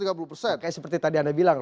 kayak seperti tadi anda bilang